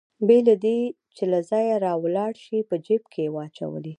بې له دې چې له ځایه راولاړ شي په جېب کې يې واچولې.